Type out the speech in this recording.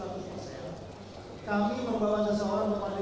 kami membawa seseorang ke pengadilan kami yang bersyakin